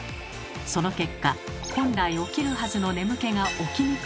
その結果本来起きるはずの眠気が起きにくくなる。